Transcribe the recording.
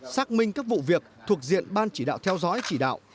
xác minh các vụ việc thuộc diện ban chỉ đạo theo dõi chỉ đạo